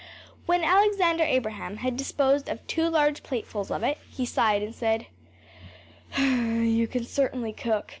When Alexander Abraham had disposed of two large platefuls of it, he sighed and said, “You can certainly cook.